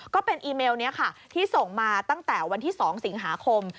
ก็เป็นอีเมลนี้ค่ะที่ส่งมาตั้งแต่วันที่๒สิงหาคม